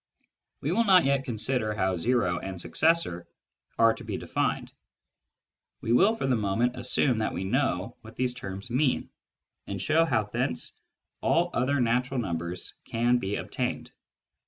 We will not yet consider how " o " and " suc cessor " are to be defined : we will for the moment assume that we know what these terms mean, and show how thence all other natural numbers can be obtained.